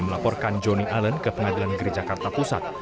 melaporkan joni allen ke pengadilan negeri jakarta pusat